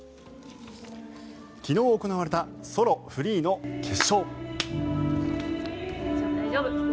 昨日行われたソロ・フリーの決勝。